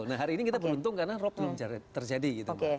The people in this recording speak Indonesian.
nah hari ini kita beruntung karena rob belum terjadi gitu mbak